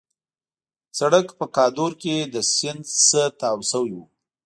سړک په کادور کې له سیند نه تاو شوی وو.